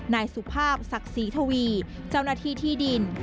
นายสุภาพศักดิ์ศรีทวีเจ้าหน้าที่ที่ดิน